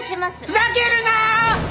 ふざけるなーっ！